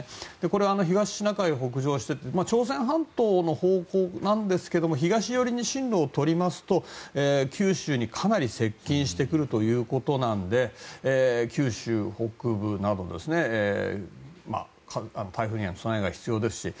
これは東シナ海を北上して朝鮮半島の方向ですが東寄りに進路を取りますと九州にかなり接近してくるということなので九州北部など台風には備えが必要ですし。